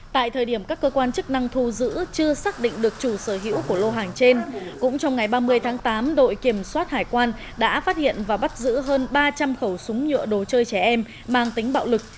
tại thời điểm các cơ quan chức năng thu giữ chưa xác định được chủ sở hữu của lô hàng trên cũng trong ngày ba mươi tháng tám đội kiểm soát hải quan đã phát hiện và bắt giữ hơn ba trăm linh khẩu súng nhựa đồ chơi trẻ em mang tính bạo lực